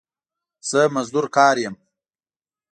زه مزدور کار يم